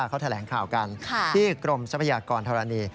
เขาแถลงข่าวกันที่กรมทรัพยากรธรณี